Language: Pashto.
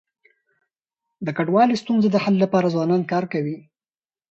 د کډوالی ستونزي د حل لپاره ځوانان کار کوي.